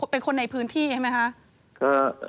เป็นคนในพื้นที่ใช่ไหมคะ